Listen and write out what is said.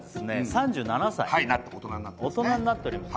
３７歳大人になっております